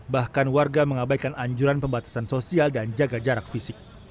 bahkan warga mengabaikan anjuran pembatasan sosial dan jaga jarak fisik